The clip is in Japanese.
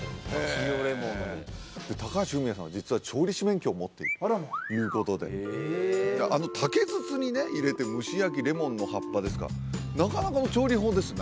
塩レモンの高橋文哉さんは実は調理師免許を持っているということであの竹筒にね入れて蒸し焼きレモンの葉っぱですかなかなかの調理法ですね